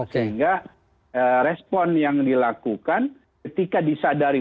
sehingga respon yang dilakukan ketika disadari